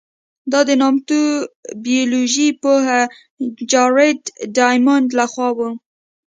دا د نامتو بیولوژي پوه جارېډ ډایمونډ له خوا وه.